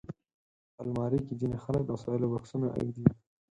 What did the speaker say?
الماري کې ځینې خلک د وسایلو بکسونه ایږدي